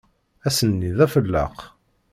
Ass-nni d afelleq.